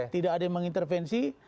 tidak ada yang mengintervensi